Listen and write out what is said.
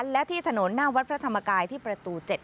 และที่ถนนหน้าวัดพระธรรมกายที่ประตู๗